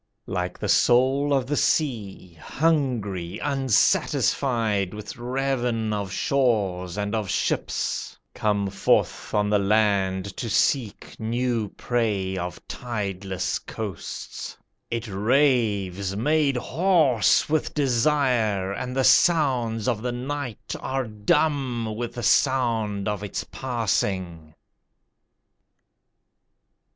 Like the soul of the sea Hungry, unsatisfied With ravin of shores and of ships Come forth on the land to seek New prey of tideless coasts, It raves, made hoarse with desire, And the sounds of the night are dumb With the sound of its passing.